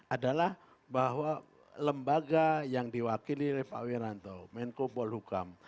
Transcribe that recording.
adalah bahwa lembaga yang diwakili oleh pak wiranto menko polhukam